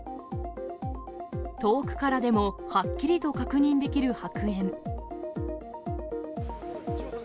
遠くからでもはっきりと確認できる白煙。